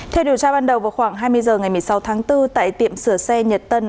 theo điều tra ban đầu vào khoảng hai mươi h ngày một mươi sáu tháng bốn tại tiệm sửa xe nhật tân